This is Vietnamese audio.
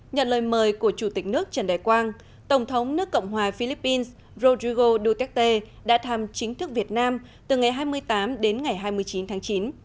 nhận lời mời của chủ tịch nước trần đại quang tổng thống nước cộng hòa philippines rodrigo duterte đã thăm chính thức việt nam từ ngày hai mươi tám đến ngày hai mươi chín tháng chín